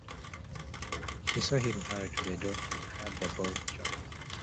She saw him hurry to the door, heard the bolt chock.